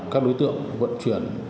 các đối tượng vận chuyển